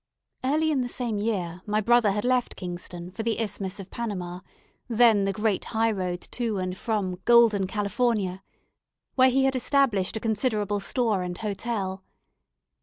Early in the same year my brother had left Kingston for the Isthmus of Panama, then the great high road to and from golden California, where he had established a considerable store and hotel.